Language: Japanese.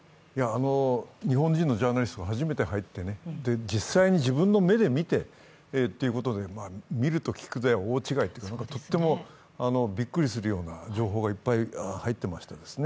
日本人のジャーナリストが初めて入ってね、実際に自分の目で見てということで、見ると聞くでは大違いというかとってもびっくりするような情報がいっぱい入っていましたですね。